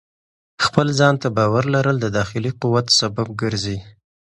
خپل ځان ته باور لرل د داخلي قوت سبب ګرځي.